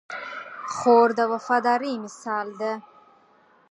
خور د وفادارۍ مثال ده.